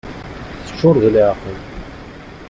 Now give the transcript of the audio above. Teččur d leɛqel.